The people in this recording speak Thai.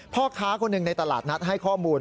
พ่อค้าคนหนึ่งในตลาดนัดให้ข้อมูล